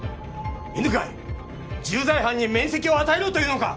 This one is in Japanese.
犬飼重罪犯に免責を与えろというのか！